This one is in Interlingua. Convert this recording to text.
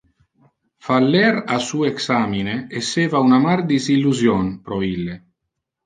Faller a su examine esseva un amar disillusion pro ille.